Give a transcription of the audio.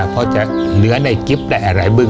เพราะจะเหนือในกิ๊บและอะไรบึ้ง